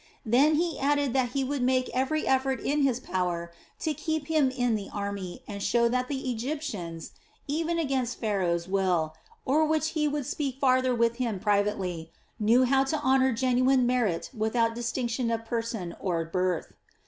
Then he added that he would make every effort in his power to keep him in the army and show that the Egyptians even against Pharaoh's will, or which he would speak farther with him privately knew how to honor genuine merit without distinction of person or birth.